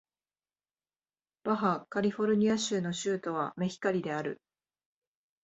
バハ・カリフォルニア州の州都はメヒカリである